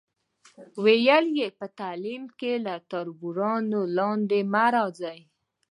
ویل یې، په تعلیم کې له تربورانو لاندې مه راځئ.